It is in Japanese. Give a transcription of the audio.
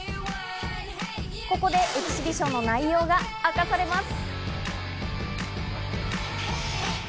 ここでエキシビションの内容が明かされます。